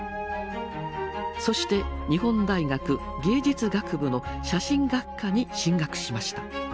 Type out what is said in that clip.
そして日本大学芸術学部の写真学科に進学しました。